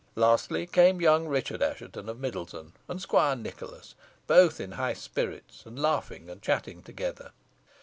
Lastly came young Richard Assheton, of Middleton, and Squire Nicholas, both in high spirits, and laughing and chatting together.